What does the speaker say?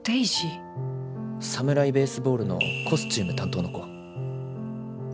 「サムライ・ベースボール」のコスチューム担当の子。